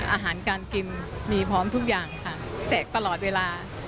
อาหารการกินมีพร้อมทุกอย่างค่ะแจกตลอดเวลา